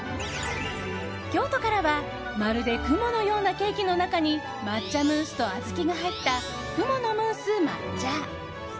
京都からはまるで雲のようなケーキの中に抹茶ムースと小豆が入った雲ノムース抹茶。